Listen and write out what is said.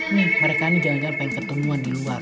nih mereka nih jangan jangan pengen ketemuan di luar